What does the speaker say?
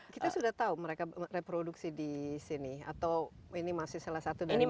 kita sudah tahu mereka reproduksi di sini atau ini masih salah satu dari misteri itu